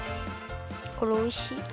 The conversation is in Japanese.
これおいしい。